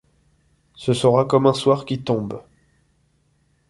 Ce sera comme un soir qui tombe :